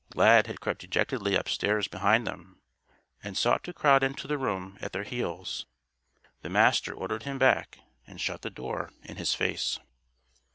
Lad had crept dejectedly upstairs behind them; and sought to crowd into the room at their heels. The Master ordered him back and shut the door in his face.